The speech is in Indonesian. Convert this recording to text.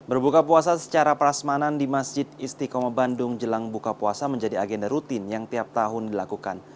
berbuka puasa secara prasmanan di masjid istiqomah bandung jelang buka puasa menjadi agenda rutin yang tiap tahun dilakukan